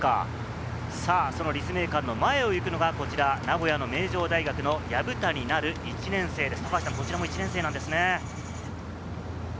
その立命館の前を行くのがこちら、名古屋の名城大学の薮谷奈瑠、１年生です。